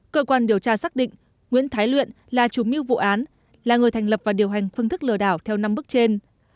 cơ quan điều tra xác định nguyễn thái luyện là chủ mưu vụ án là người thành lập và điều hành phương thức lừa đảo theo năm bước trên